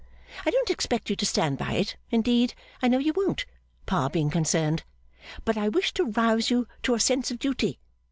I don't expect you to stand by it indeed, I know you won't, Pa being concerned but I wish to rouse you to a sense of duty.